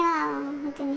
本当に。